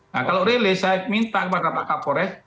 nah kalau rilis saya minta kepada pak kapolres